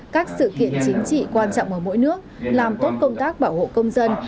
các sự kiện chính trị quan trọng ở mỗi nước làm tốt công tác bảo hộ công dân